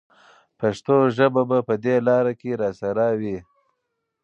پښتو ژبه به په دې لاره کې راسره وي.